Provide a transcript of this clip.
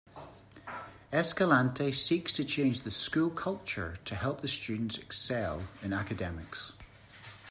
Escalante seeks to change the school culture to help the students excel in academics.